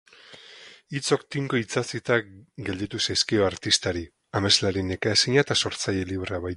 Hitzok tinko itsatsita gelditu zaizkio artistari, ameslari nekaezina eta sortzaile librea baita.